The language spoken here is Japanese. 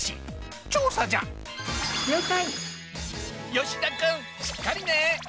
吉田君しっかりね。